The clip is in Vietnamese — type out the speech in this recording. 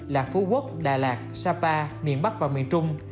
là phú quốc đà lạt sapa miền bắc và miền trung